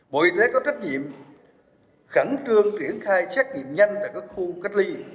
bộ y tế có trách nhiệm khẳng trương triển khai trách nghiệm nhanh tại các khu cách ly